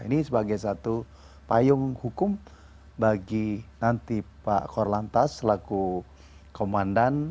ini sebagai satu payung hukum bagi nanti pak korlantas selaku komandan